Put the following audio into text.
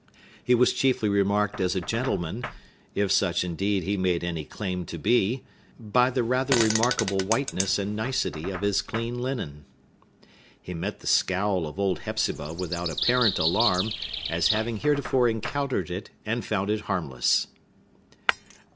He was chiefly marked as a gentleman—if such, indeed, he made any claim to be—by the rather remarkable whiteness and nicety of his clean linen. He met the scowl of old Hepzibah without apparent alarm, as having heretofore encountered it and found it harmless.